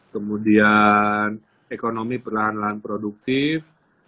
kemudian ekonomi perlahan lahan produktif